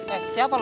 eh siapa lu